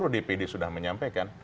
di pd sudah menyampaikan